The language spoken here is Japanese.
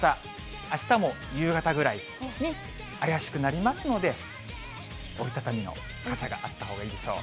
あしたも夕方ぐらいに怪しくなりますので、折り畳みの傘があったほうがいいでしょう。